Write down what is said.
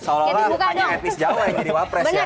soalnya depannya etnis jawa yang jadi wapres ya